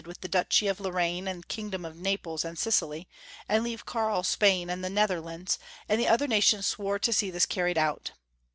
with the duchy of Lorraine and kingdom of Naples and Sicily, and leave Karl Spain and the Nether lands, and the other nations swore to see this car ried out.